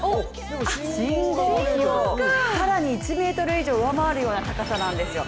信号機を更に１ｍ以上上回るような高さなんですよ。